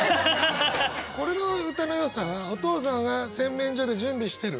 これの歌のよさはお父さんが洗面所で準備してる。